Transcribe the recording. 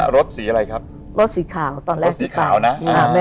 รถสีอะไรครับตอนแรกรถสีขาวนะ